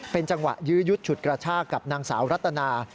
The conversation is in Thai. เป็นจังหวะยื้อยุดฉุดกระชากกับนางสาวรัตนา